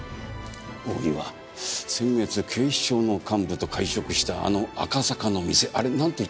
大岩先月警視庁の幹部と会食したあの赤坂の店あれなんといったかな？